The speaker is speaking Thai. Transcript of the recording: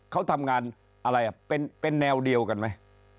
เขาทำงานอะไรเป็นแนวเดียวกันไหม